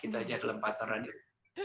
kita saja dalam partneran itu